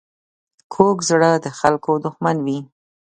کوږ زړه د خلکو دښمن وي